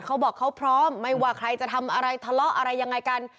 เขาบอกเขาพร้อมไม่ว่าใครจะทำอะไรทะเลาะอะไรยังไงกัน